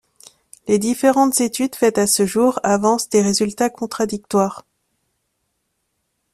Les différentes études faites à ce jour avancent des résultats contradictoires.